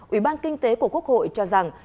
ủy ban kinh tế của quốc hội cho rằng